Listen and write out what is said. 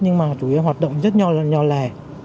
nhưng mà chủ yếu hoạt động rất nhò lè